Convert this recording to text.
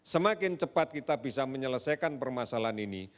semakin cepat kita bisa menyelesaikan permasalahan ini